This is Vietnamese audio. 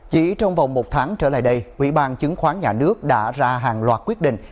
chỉ trong vòng một tháng trở lại đây quỹ ban chứng khoán nhà nước đã ra hàng loạt quyết định